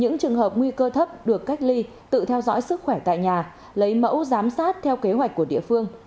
những trường hợp nguy cơ thấp được cách ly tự theo dõi sức khỏe tại nhà lấy mẫu giám sát theo kế hoạch của địa phương